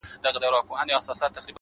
نه ښېرا نه کوم هغه څومره نازک زړه لري،